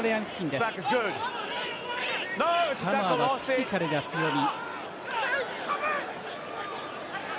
サモアはフィジカルが強み。